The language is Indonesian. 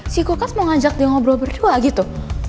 si kulkas mau ngajak dia ngobrol berdua gitu